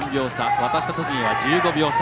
渡したときには１５秒差。